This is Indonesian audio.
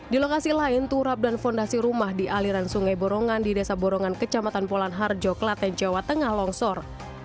di lokasi lain turap dan fondasi rumah di aliran sungai borongan di desa borongan kecamatan polan harjo kelaten jawa tengah longsor